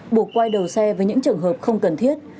buộc quay đầu xe với những trường hợp không cần thiết